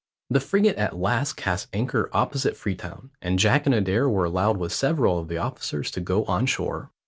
The frigate at last cast anchor opposite Freetown, and Jack and Adair were allowed with several of the officers to go on shore.